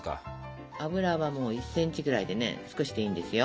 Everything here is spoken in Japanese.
油はもう１センチぐらいでね少しでいいんですよ。